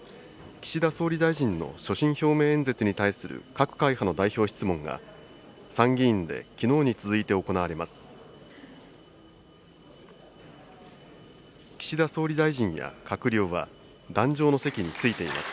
岸田総理大臣のしょしんひょうめいえんぜつにたいする各会派の代表質問が、参議院できのうに続いて行われます。